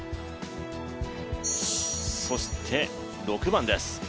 そして、６番です。